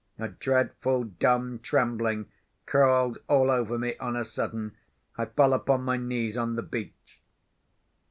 A dreadful dumb trembling crawled all over me on a sudden. I fell upon my knees on the beach.